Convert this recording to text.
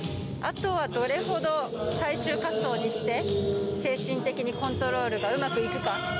あとはどれほど最終滑走にして、精神的にコントロールがうまくいくか。